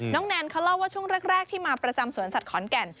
แนนเขาเล่าว่าช่วงแรกที่มาประจำสวนสัตว์ขอนแก่น